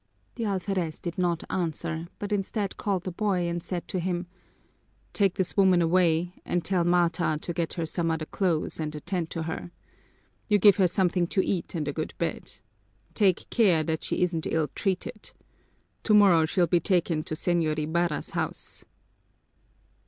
The alferez did not answer, but instead called the boy and said to him, "Take this woman away and tell Marta to get her some other clothes and attend to her. You give her something to eat and a good bed. Take care that she isn't ill treated! Tomorrow she'll be taken to Señor Ibarra's house."